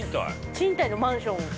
◆賃貸マンション。